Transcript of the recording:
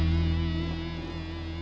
sampai jumpa lagi